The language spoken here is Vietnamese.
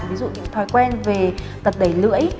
ví dụ những thói quen về tật đẩy lưỡi